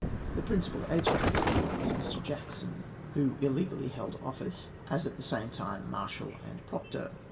The principal agent of this Court was a Mr. Jackson, who illegally held office as at the same time marshal and proctor.